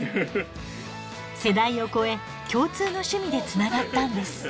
世代を超え共通の趣味でつながったんです。